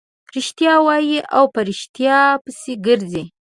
رښتیا وايي او په ريښتیاوو پسې ګرځي.